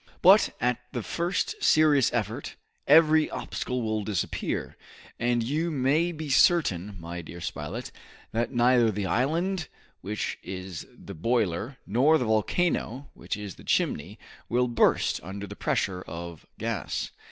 But at the first serious effort, every obstacle will disappear, and you may be certain, my dear Spilett, that neither the island, which is the boiler, nor the volcano, which is the chimney, will burst under the pressure of gas.